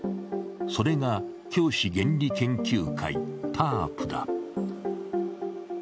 それが教師原理研究会＝ＴＡＲＰだ。